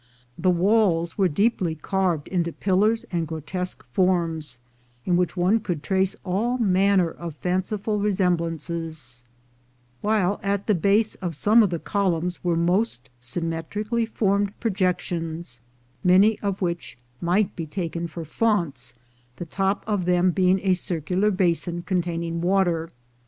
The walls were deeply carved into pillars and grotesque forms, in which one could trace all manner of fanciful resemblances; while at the base of some of the columns were most symmetrically formed projections, many of which might be taken for fonts, the top of them being a circular basin containing water.